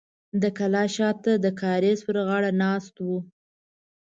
د کلا شاته د کاریز پر غاړه ناست و.